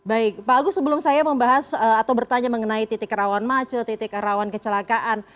baik pak agus sebelum saya membahas atau bertanya mengenai titik rawan macet titik rawan kecelakaan